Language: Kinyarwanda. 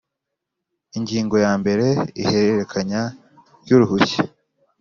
Ingingo ya mbere Ihererekanya ry uruhushya